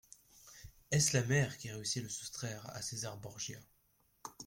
Est-ce la mère qui a réussi à le soustraire à César Borgia ?